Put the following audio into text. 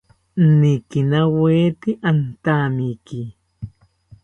Nikinawete antamiki